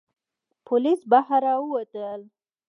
پوليس بهر را ووتل.